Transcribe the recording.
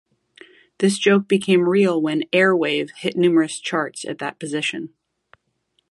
This joke became real when "Airwave" hit numerous charts at that position.